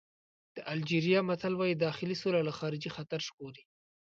د الجېریا متل وایي داخلي سوله له خارجي خطر ژغوري.